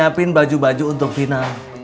saya niapin baju baju untuk final